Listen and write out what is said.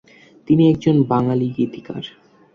তিনি একজন বাঙালি গীতিকার।